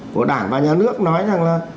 của đảng và nhà nước nói rằng là